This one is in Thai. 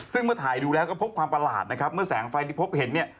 ซึ่งเมื่อถ่ายดูแล้วก็พบความประหลาดนะครับเมื่อแสงไฟที่พบเห็นเนี่ย